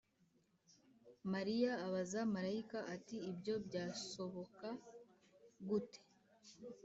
Mariya abaza marayika ati ibyo byasoboka gute